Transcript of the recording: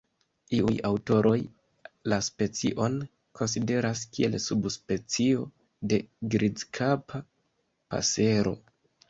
Iuj aŭtoroj la specion konsideras kiel subspecio de Grizkapa pasero.